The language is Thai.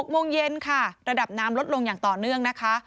๖โมงเย็นค่ะระดับน้ำลดลงอย่างต่อเนื่องนะคะ